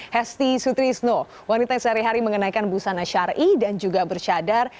hesti sutrisno wanita yang sehari hari mengenaikan busana syari dan juga bersyadar